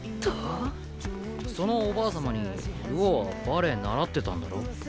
そのおばあ様に流鶯はバレエ習ってたんだろ？